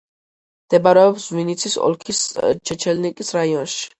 მდებარეობს ვინიცის ოლქის ჩეჩელნიკის რაიონში.